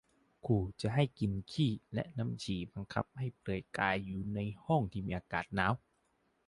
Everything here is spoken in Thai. ขู่จะให้ 'กินขี้' และ 'น้ำฉี่' บังคับให้เปลือยกายอยู่ในห้องที่มีอากาศหนาว